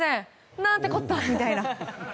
なんてこった！みたいな。